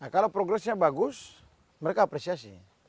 kalau progresnya bagus mereka apresiasi